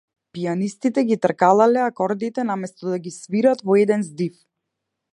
Пијанистите ги тркалалале акордите, наместо да ги свират во еден здив.